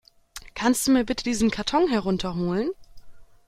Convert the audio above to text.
Kannst du mir bitte diesen Karton herunter holen?